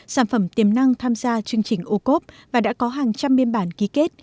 sản phẩm tiềm năng tham gia chương trình ocob và đã có hàng trăm biên bản ký kết